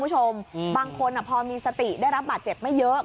คุณผู้ชมบางคนพอมีสติได้รับบาดเจ็บไม่เยอะ